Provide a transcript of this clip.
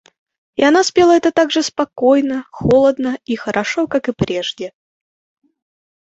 И она спела это так же спокойно, холодно и хорошо, как и прежде.